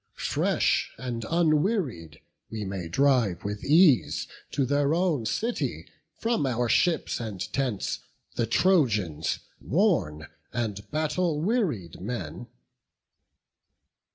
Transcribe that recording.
Fresh and unwearied, we may drive with ease To their own city, from our ships and tents, The Trojans, worn and battle wearied men."